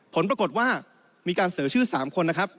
ผลปรากฏว่ามีการเสนอชื่อ๓คนนะครับ